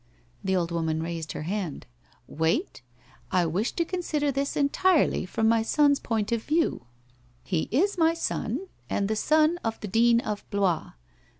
The old woman raised her hand. ' Wait ! I wish to consider this entirely from my son's WHITE ROSE OF WEARY LEAF 185 point of view. He is my son, and the son of the Dean of Blois.